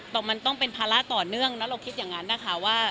ต้องมันเป็นพาระต่อเนื่องเนาะเราคิดอย่างนั้นนะคะว่า